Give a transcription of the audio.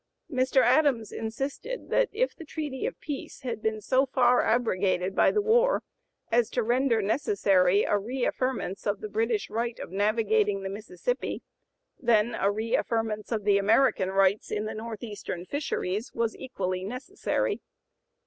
Mr. Adams insisted that if the treaty of peace had been so far abrogated by the war as to render necessary a re affirmance of the British right of navigating the Mississippi, then a re affirmance of the American rights in the Northeastern fisheries was equally necessary.